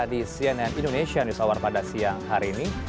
di cnn indonesia yang disawar pada siang hari ini